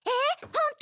本当？